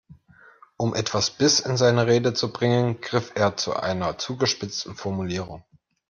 Um etwas Biss in seine Rede zu bringen, griff er zu einer zugespitzten Formulierung.